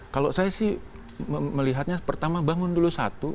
kalau saya sih melihatnya pertama bangun dulu satu